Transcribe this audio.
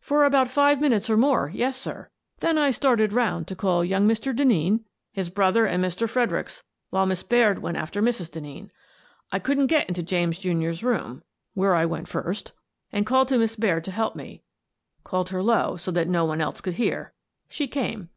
For about five minutes or more, yes, sir. Then I started around to call young Mr. Denneen, his brother, and Mr. Fredericks, while Miss Baird went after Mrs. Denneen. I couldn't get into James, Jr.'s room — where I went first — and called to Miss Baird to help me — called her low, so that no one else could hear. She came.